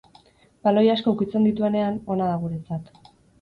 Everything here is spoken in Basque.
Baloi asko ukitzen dituenean, ona da guretzat.